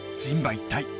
一体